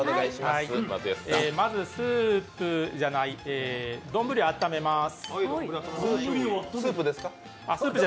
まずスープじゃない丼を温めます。